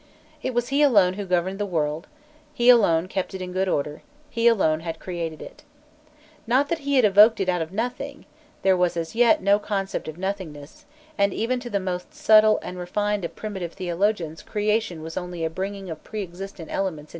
It was he alone who governed the world, he alone kept it in good order, he alone had created it. Not that he had evoked it out of nothing; there was as yet no concept of nothingness, and even to the most subtle and refined of primitive theologians creation was only a bringing of pre existent elements into play.